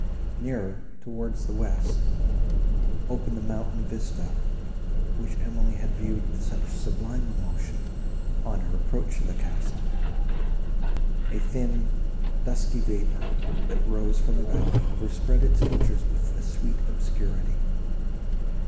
Nearer, towards the west, opened the mountain vista, which Emily had viewed with such sublime emotion, on her approach to the castle: a thin dusky vapour, that rose from the valley, overspread its features with a sweet obscurity.